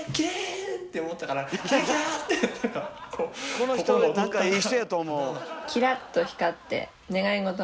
この人何かいい人やと思う。